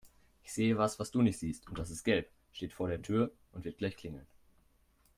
Ich sehe was, was du nicht siehst und das ist gelb, steht vor der Tür und wird gleich klingeln.